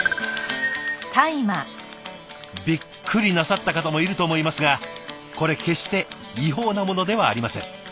びっくりなさった方もいると思いますがこれ決して違法なものではありません。